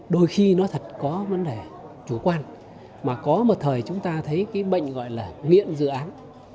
đôi khi nó thật có vấn đề chủ quan mà có một thời chúng ta thấy cái bệnh gọi là miễn dự án